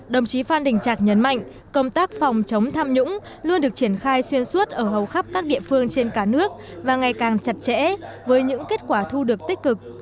đồng chí phan đình trạc nhấn mạnh công tác phòng chống tham nhũng luôn được triển khai xuyên suốt ở hầu khắp các địa phương trên cả nước và ngày càng chặt chẽ với những kết quả thu được tích cực